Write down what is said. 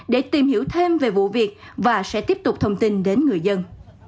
để tìm hiểu thêm về vụ việc và sẽ tiếp tục thông tin đến người dân